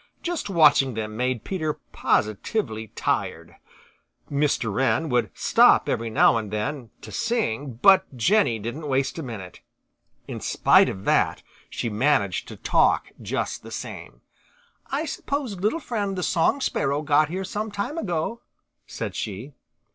Just watching them made Peter positively tired. Mr. Wren would stop every now and then to sing, but Jenny didn't waste a minute. In spite of that she managed to talk just the same. "I suppose Little Friend the Song Sparrow got here some time ago," said she.